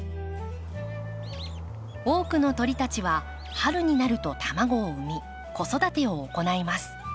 多くの鳥たちは春になると卵を産み子育てを行います。